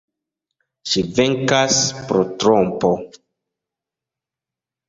Ŝi venkas pro trompo.